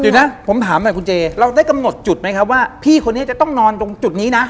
เดี๋ยวนะผมถามหน่อยคุณเจเราได้กำหนดจุดไหมครับว่าพี่คนนี้จะต้องนอนตรงจุดนี้นะ